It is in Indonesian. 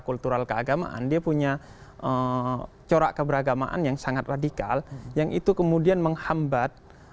kultural keagamaan dia punya corak keberagamaan yang sangat radikal yang itu kemudian menghambat